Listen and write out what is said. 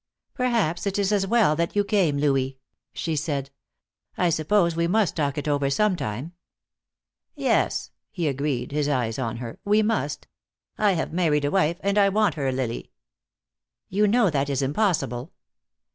"Perhaps it is as well that you came, Louis," she said. "I suppose we must talk it over some time." "Yes," he agreed, his eyes on her. "We must. I have married a wife, and I want her, Lily." "You know that is impossible."